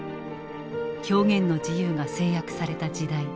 表現の自由が制約された時代。